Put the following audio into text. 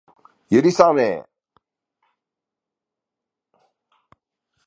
許さねぇ。